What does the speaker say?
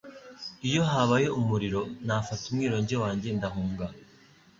Iyo habaye umuriro, nafata umwironge wanjye ndahunga.